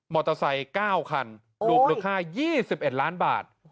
มอเตอร์ไซต์เก้าคันโอ้ยลูกค่ายี่สิบเอ็ดล้านบาท